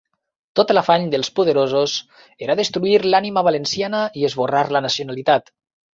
Tot l’afany dels poderosos era destruir l’ànima valenciana i esborrar la nacionalitat.